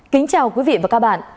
kính chào quý vị và các bạn